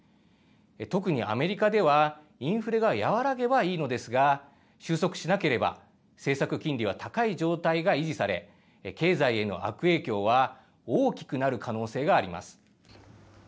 特にアメリカでは、インフレが和らげばいいのですが、収束しなければ、政策金利は高い状態が維持され、経済への悪影響は大きくなる可能性があります。